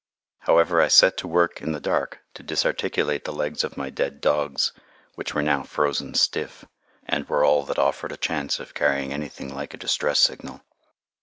However, I set to work in the dark to disarticulate the legs of my dead dogs, which were now frozen stiff, and which were all that offered a chance of carrying anything like a distress signal.